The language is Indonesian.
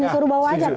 disuruh bawa aja ke pn